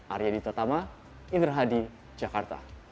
arya ditatama indra hadi jakarta